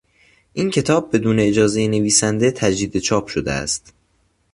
این کتاب بدون اجازهی نویسنده تجدید چاپ شده است.